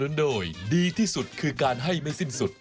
สนับสนุนโดยดีที่สุดคือการให้ไม่สิ้นสุด